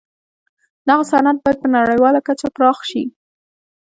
دغه صنعت باید په نړیواله کچه پراخ شي